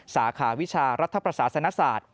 สาขาวิชารัฐประสาสนศาสตร์